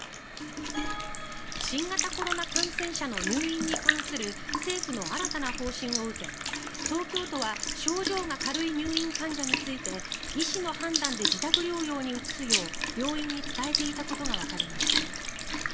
新型コロナ感染者の入院に関する政府の新たな方針を受け東京都は症状が軽い入院患者について医師の判断で自宅療養に移すよう病院に伝えていたことがわかりました。